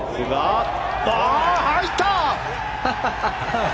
入った！